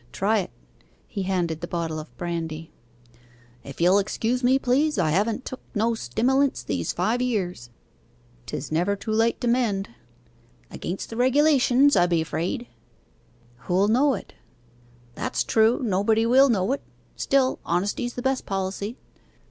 Try it.' He handed the bottle of brandy. 'If you'll excuse me, please. I haven't took no stimmilents these five years.' ''Tis never too late to mend.' 'Against the regulations, I be afraid.' 'Who'll know it?' 'That's true nobody will know it. Still, honesty's the best policy.